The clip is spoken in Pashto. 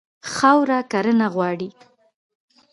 خاوره کرنه غواړي.